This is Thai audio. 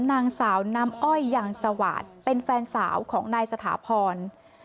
นางสาวน้ำอ้อยยางสวาดเป็นแฟนสาวของนายสถาพร